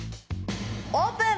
オープン！